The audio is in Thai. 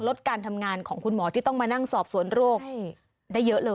ลดการทำงานของคุณหมอที่ต้องมานั่งสอบสวนโรคได้เยอะเลย